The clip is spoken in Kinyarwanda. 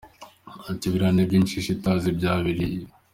Ati “Biriya ni iby’ injiji itazi ibya bibiliya.